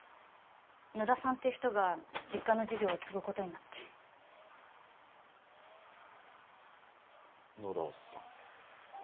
野田さんっていう人が実家の事業を継ぐことになって野田さん？